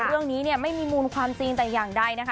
เรื่องนี้เนี่ยไม่มีมูลความจริงแต่อย่างใดนะคะ